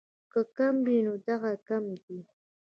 کۀ کم وي نو دغه کمے دې